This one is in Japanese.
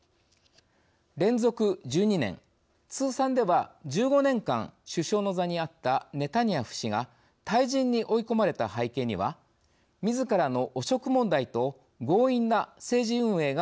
連続１２年通算では１５年間首相の座にあったネタニヤフ氏が退陣に追い込まれた背景にはみずからの汚職問題と強引な政治運営がありました。